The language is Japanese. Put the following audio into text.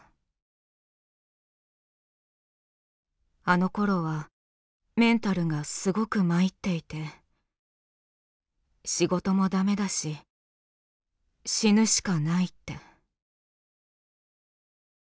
「あの頃はメンタルがすごく参っていて仕事もダメだし死ぬしかないって」。